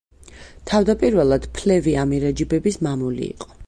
თავდაპირველად ფლევი ამირეჯიბების მამული იყო.